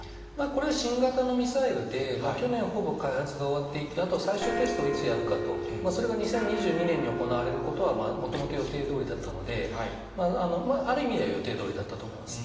これは新型のミサイルで、去年ほぼ開発が終わっていて、後最終テストをいつやるかと、それが２０２２年に行われることは、もともと予定どおりだったので、ある意味では予定どおりだったと思います。